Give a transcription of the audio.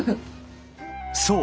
そう。